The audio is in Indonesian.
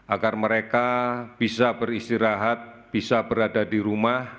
agar mereka bisa beristirahat bisa berada di rumah